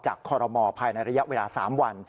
คอรมอลภายในระยะเวลา๓วัน